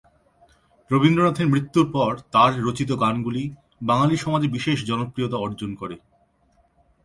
রবীন্দ্রনাথের মৃত্যুর পর তার রচিত গানগুলি বাঙালি সমাজে বিশেষ জনপ্রিয়তা অর্জন করে।